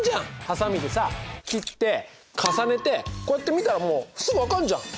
はさみでさ切って重ねてこうやってみたらもうすぐ分かんじゃん。